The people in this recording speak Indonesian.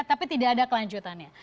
tapi tidak ada kelanjutannya